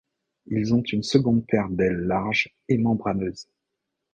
Ils ont une seconde paire d'ailes large et membraneuse.